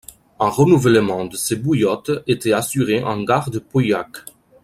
Un renouvellement de ces bouillottes était assuré en gare de Pauillac.